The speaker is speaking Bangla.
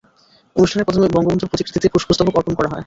অনুষ্ঠানে প্রথমে বঙ্গবন্ধুর প্রতিকৃতিতে পুষ্পস্তবক অর্পণ করা হয়।